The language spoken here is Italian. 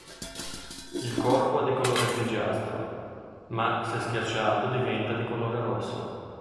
Il corpo è di colore grigiastro, ma se schiacciato diventa di colore rosso.